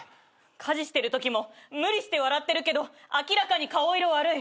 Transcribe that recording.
家事してるときも無理して笑ってるけど明らかに顔色悪い。